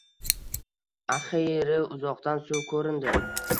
Axiyri uzoqdan suv ko`rindi